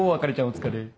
お疲れ。